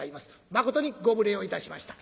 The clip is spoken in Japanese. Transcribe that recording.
まことにご無礼をいたしました。